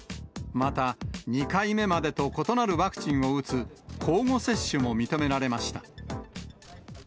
また、２回目までと異なるワクチンを打つ、交互接種も認められました。